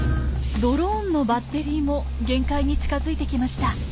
ドローンのバッテリーも限界に近づいてきました。